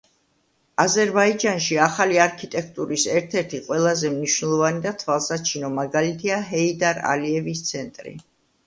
აზერბაიჯანში ახალი არქიტექტურის ერთ-ერთი ყველაზე მნიშვნელოვანი და თვალსაჩინო მაგალითია ჰეიდარ ალიევის ცენტრი.